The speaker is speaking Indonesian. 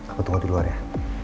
aku tunggu di luar ya